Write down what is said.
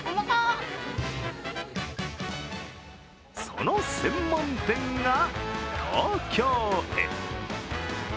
その専門店が東京へ。